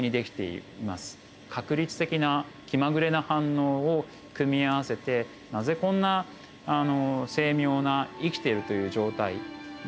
確率的な気まぐれな反応を組み合わせてなぜこんな精妙な生きているという状態を実現できてるのか。